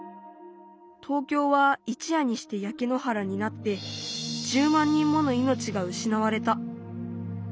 東京は一夜にしてやけ野原になって１０万人もの命がうしなわれた。